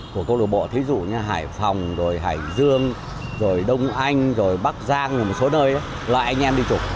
của cộng lộng bộ thí dụ như hải phòng hải dương đông anh bắc giang và một số nơi là anh em đi chụp